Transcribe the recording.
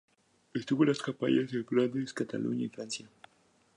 Estuvo en las campañas de Flandes, Cataluña y Francia.